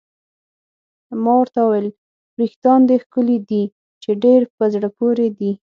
ما ورته وویل: وریښتان دې ښکلي دي، چې ډېر په زړه پورې دي.